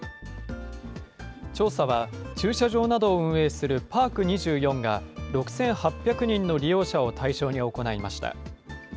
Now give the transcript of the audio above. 調査は、駐車場などを運営するパーク２４が６８００人の利用者を対象に行いました。